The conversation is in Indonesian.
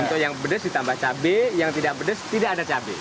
untuk yang pedes ditambah cabai yang tidak pedas tidak ada cabai